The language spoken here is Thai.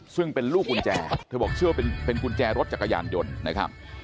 ซึ่งเป็นลูกกุญแจเธอบอกเชื่อว่าเป็นกุญแจรถจักรยานยนต์นะครับ